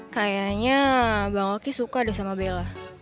kayanya bang loki suka deh sama bella